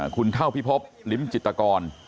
คุณเท่าพิพบลิ้มจิตกร